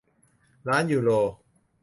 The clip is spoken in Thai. ล้านยูโร